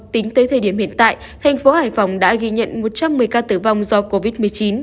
tính tới thời điểm hiện tại thành phố hải phòng đã ghi nhận một trăm một mươi ca tử vong do covid một mươi chín